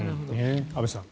安部さん